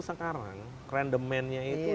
sekarang random man nya itu